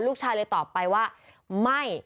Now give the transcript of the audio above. ลูกชายเลยตอบไปว่าไม่